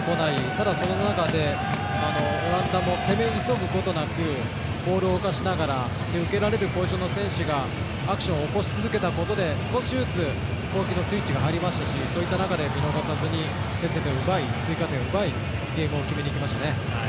ただ、その中でオランダも攻め急ぐことなくボールを動かしながら受けられるポジションの選手がアクションを起こし続けたことで少しずつ攻撃のスイッチが入りましたしそういった中で見逃さずに先制点を奪い追加点を奪いゲームを決めにいきましたね。